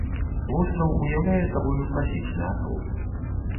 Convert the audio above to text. Востраў уяўляе сабою класічны атол.